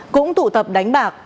cũng tụ tập đánh bạc